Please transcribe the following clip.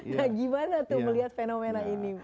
nah gimana tuh melihat fenomena ini